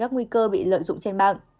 các nguy cơ bị lợi dụng trên mạng